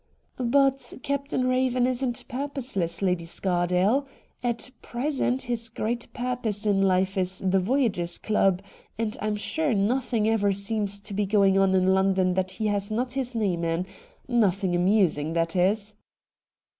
' But Captain Eaven isn't purposeless, Lady Scardale. At present his great purpose in life is the Voyagers' Club, and I'm sure nothing ever seems to be going on in London that he has not his name in — nothing amusing, that is.'